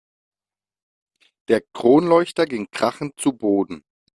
Der Kronleuchter ging krachend zu Boden.